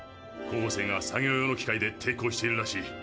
候補生が作業用の機械で抵抗しているらしい。